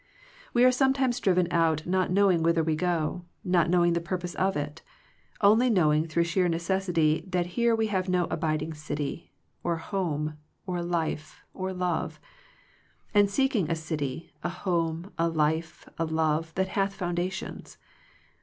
We are sometimes driven out not knowing whither we go, not know ing the purpose of it; only knowing through sheer necessity that here we have no abiding city, or home, or life, or love; and seeking a city, a home, a life, a love, that hath foundations.